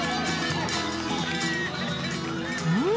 うん！